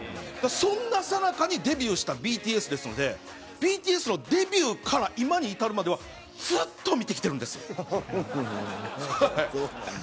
そんなさなかにデビューしたＢＴＳですのでＢＴＳのデビューから今に至るまでずっと見てきてるんです。